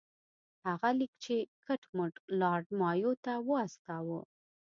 هغه لیک یې کټ مټ لارډ مایو ته واستاوه.